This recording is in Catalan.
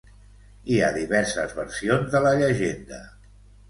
Hi ha diverses versions de la llegenda.